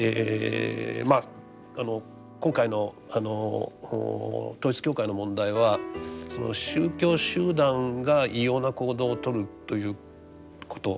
今回の統一教会の問題はその宗教集団が異様な行動をとるということ。